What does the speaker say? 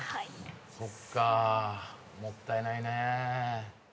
そっかもったいないねぇ。